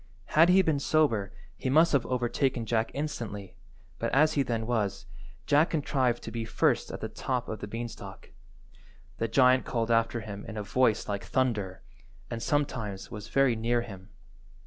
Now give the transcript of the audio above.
Had he been sober he must have overtaken Jack instantly, but as he then was, Jack contrived to be first at the top of the beanstalk. The giant called after him in a voice like thunder, and sometimes was very near him.